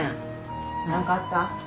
何かあった？